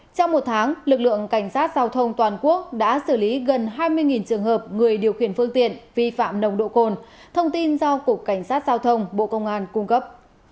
trong một tháng lực lượng cảnh sát giao thông toàn quốc đã xử lý gần hai mươi trường hợp người điều khiển phương tiện vi phạm nồng độ cồn thông tin do cục cảnh sát giao thông bộ công an cung cấp